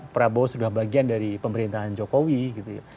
prabowo sudah bagian dari pemerintahan jokowi gitu ya